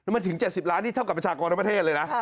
มันถึง๗๐ล้านนี่เท่ากับประชากรทั้งประเทศเลยนะ